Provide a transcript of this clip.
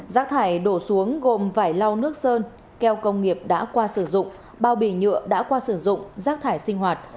rác thải đổ xuống gồm vải lau nước sơn keo công nghiệp đã qua sử dụng bao bì nhựa đã qua sử dụng rác thải sinh hoạt